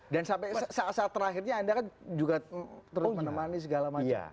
dan sampai saat saat terakhirnya anda kan juga terus menemani segala macam